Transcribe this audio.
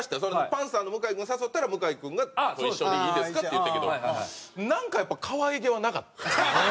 パンサーの向井君誘ったら向井君が「一緒でいいですか？」って言ったけどなんかやっぱ可愛げはなかった。